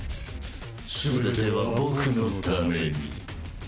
全ては僕のために。